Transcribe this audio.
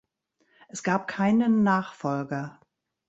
Es gab keinen Nachfolger.